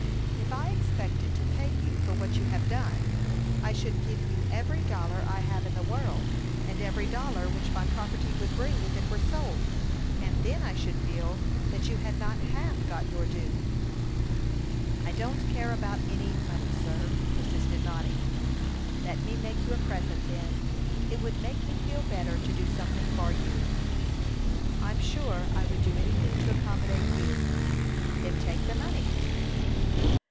"If I expected to pay you for what you have done, I should give you every dollar I have in the world, and every dollar which my property would bring if it were sold; and then I should feel that you had not half got your due." "I don't care about any money, sir," persisted Noddy. "Let me make you a present, then. It would make me feel better to do something for you." "I'm sure I would do anything to accommodate you." "Then take the money."